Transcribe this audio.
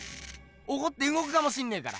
おこってうごくかもしんねえから。